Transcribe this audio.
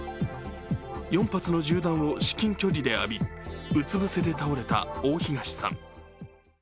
４発の銃弾を至近距離で浴び、うつぶせで倒れた大東さん。